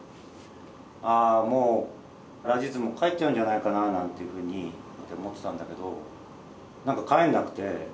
ああもうラジズも帰っちゃうんじゃないかななんていうふうに思ってたんだけど何か帰んなくて。